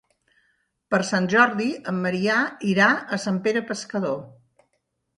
Per Sant Jordi en Maria irà a Sant Pere Pescador.